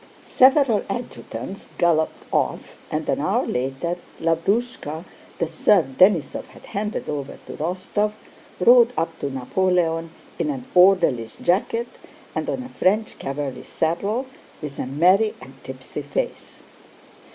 Several adjutants galloped off, and an hour later, Lavrúshka, the serf Denísov had handed over to Rostóv, rode up to Napoleon in an orderly's jacket and on a French cavalry saddle, with a merry, and tipsy face.